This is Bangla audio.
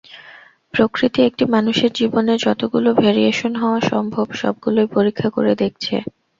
প্রকৃতি একটি মানুষের জীবনে যতগুলো ভেরিয়েশন হওয়া সম্ভব, সবগুলোই পরীক্ষা করে দেখছে।